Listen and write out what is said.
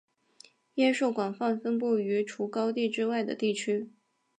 椰树广泛分布于除高地之外的地区。